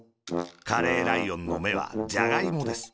カレーライオンのめは、ジャガイモです。